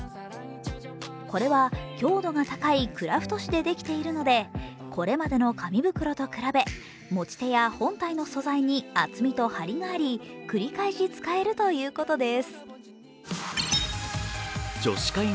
これは強度が高いクラフト紙でできているのでこれまでの紙袋と比べ持ち手や本体の素材に厚みと張りがあり、繰り返し使えるということです。